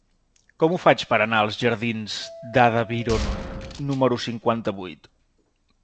Com ho faig per anar als jardins d'Ada Byron número cinquanta-vuit?